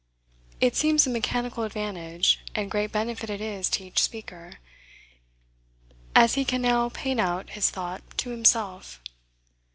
It seems a mechanical advantage, and great benefit it is to each speaker, as he can now paint out his thought to himself.